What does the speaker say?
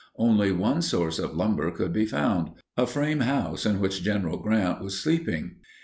Only one source of lumber could be found—a frame house in which General Grant was sleeping.